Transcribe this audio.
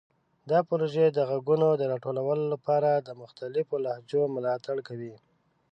دا پروژه د غږونو د راټولولو لپاره د مختلفو لهجو ملاتړ کوي.